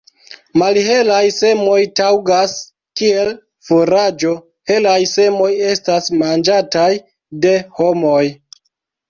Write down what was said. Malhelaj semoj taŭgas kiel furaĝo, helaj semoj estas manĝataj de homoj.